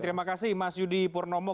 terima kasih mas yudi purnomo